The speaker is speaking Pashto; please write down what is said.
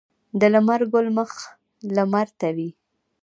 د لمر ګل مخ لمر ته وي.